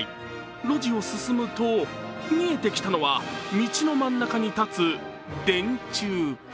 路地を進むと見えてきたのは道の真ん中に立つ電柱。